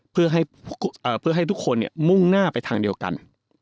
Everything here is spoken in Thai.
เพื่อให้ทุกคนมุ่งหน้าไปทางเดียวกัน